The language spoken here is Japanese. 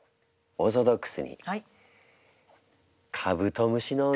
オーソドックス！